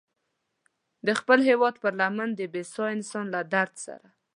د خپل هېواد پر لمن د بسیا انسان له درد سره.